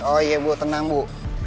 oh iya bu tenang bu